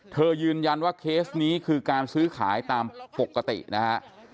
ยืนยันว่าเคสนี้คือการซื้อขายตามปกตินะฮะ